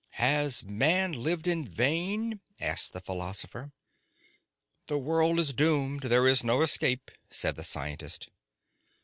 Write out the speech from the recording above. "Has man lived in vain?" asked the philosopher. "The world is doomed. There is no escape," said the scientist.